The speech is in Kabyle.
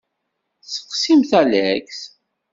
Seqsimt Alex.